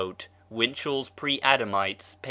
(Winchell's "Preadamites," p.